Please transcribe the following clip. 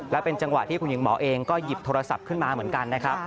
และเป็นจังหวะที่คุณหญิงหมอเองก็หยิบโทรศัพท์ขึ้นมาเหมือนกันนะครับ